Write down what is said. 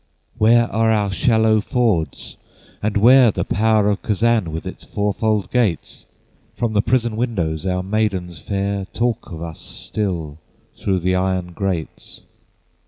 Where are our shallow fords? and where The power of Kazan with its fourfold gates? From the prison windows our maidens fair Talk of us still through the iron grates.